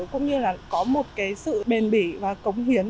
cũng như là có một cái sự bền bỉ và cống hiến